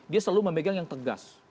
dia selalu memegang yang tegas